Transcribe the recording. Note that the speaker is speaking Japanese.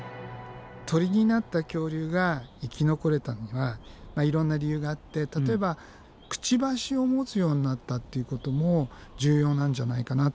鳥になった恐竜が生き残れたのにはいろんな理由があって例えばくちばしを持つようになったっていうことも重要なんじゃないかなっていわれてるんだよね。